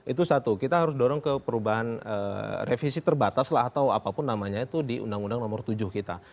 itu satu kita harus dorong ke perubahan revisi terbatas lah atau apapun namanya itu di undang undang nomor tujuh kita